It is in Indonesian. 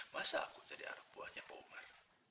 masa aku jadi arah buahnya pak umar